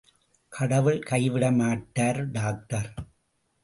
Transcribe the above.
கடவுள் கைவிடமாட்டார் டாக்டர்.